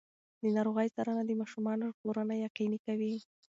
د ناروغۍ څارنه د ماشومانو ژغورنه یقیني کوي.